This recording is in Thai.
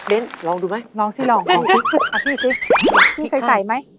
ลองดูมั้ยลองสิเอาพี่สิพี่เคยใส่ไหม